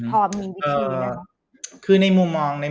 พอมีที่คิดนะครับ